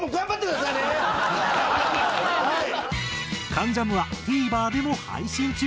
『関ジャム』はＴＶｅｒでも配信中。